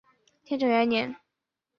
天正元年。